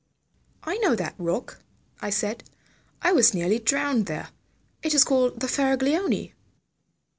"I know that rock." I said. "I was nearly drowned there. It is called the Faraglioni."